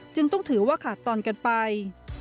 จึงต้องถือว่าขาดตอนกันไป